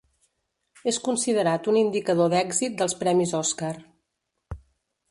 És considerat un indicador d'èxit dels premis Oscar.